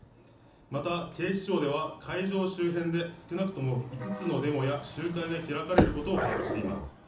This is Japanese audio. また、警視庁では会場周辺で少なくとも５つのデモや集会が開かれることを把握しています。